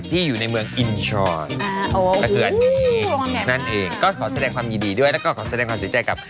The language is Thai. อยู่ในเมืองอินชรนั่นเองก็ขอแสดงความยินดีด้วยแล้วก็ขอแสดงความเสียใจกับ